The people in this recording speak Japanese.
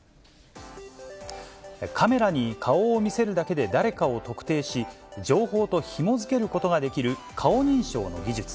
カメラに顔を見せるだけで誰かを特定し、情報とひも付けることができる顔認証の技術。